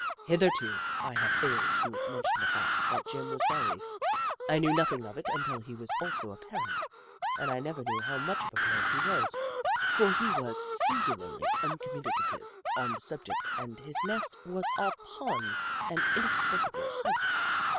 Hitherto, I have failed to mention the fact that Jim was married. I knew nothing of it until he was also a parent, and I never knew how much of a parent he was, for he was sin gularly uncommunicative on the subject and his nest was upon an inaccessible height.